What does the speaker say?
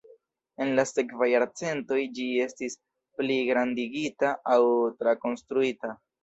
En la sekvaj jarcentoj ĝi estis pligrandigita aŭ trakonstruita.